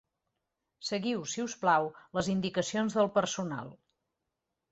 Seguiu, si us plau, les indicacions del personal.